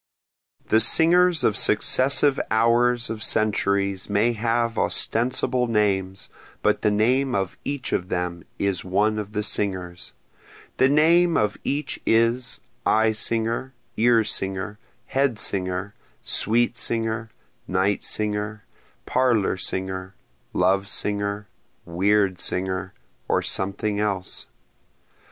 The singers of successive hours of centuries may have ostensible names, but the name of each of them is one of the singers, The name of each is, eye singer, ear singer, head singer, sweet singer, night singer, parlor singer, love singer, weird singer, or something else.